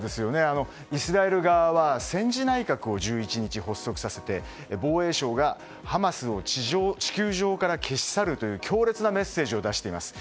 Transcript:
イスラエル側は戦時内閣を１１日、発足させて防衛省がハマスを地球上から消し去るという強烈なメッセージを出しています。